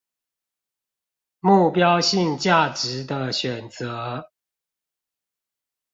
目標性價值的選擇